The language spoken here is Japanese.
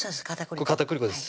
これ片栗粉です